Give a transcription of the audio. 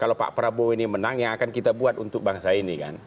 kalau pak prabowo ini menang yang akan kita buat untuk bangsa ini kan